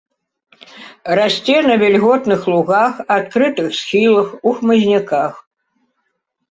Расце на вільготных лугах, адкрытых схілах, у хмызняках.